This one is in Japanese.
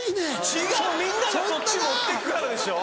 違うみんながそっち持ってくからでしょ！